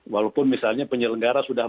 walaupun misalnya penyelenggara sudah